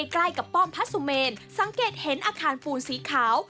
ใกล้กับป้อมพระสุเมนสังเกตเห็นอาคารฟูนสีขาว